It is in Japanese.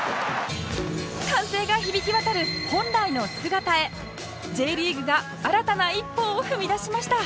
歓声が響き渡る本来の姿へ Ｊ リーグが新たな一歩を踏み出しました